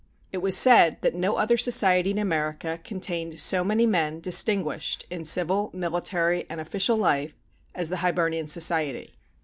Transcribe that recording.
It was said that no other society in America contained so many men distinguished in civil, military, and official life as the Hibernian Society.